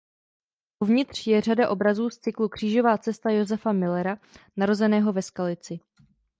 Uvnitř je řada obrazů z cyklu Křížová cesta Josefa Müllera narozeného ve Skalici.